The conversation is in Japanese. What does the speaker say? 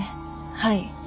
はい。